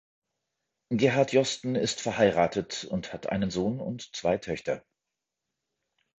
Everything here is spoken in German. Gerhard Josten ist verheiratet und hat einen Sohn und zwei Töchter.